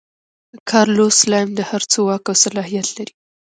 کارلوس سلایم د هر څه واک او صلاحیت لري.